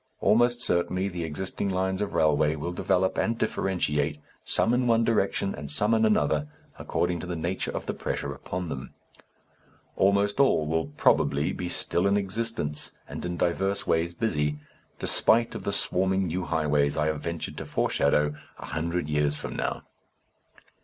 Almost certainly the existing lines of railway will develop and differentiate, some in one direction and some in another, according to the nature of the pressure upon them. Almost all will probably be still in existence and in divers ways busy, spite of the swarming new highways I have ventured to foreshadow, a hundred years from now.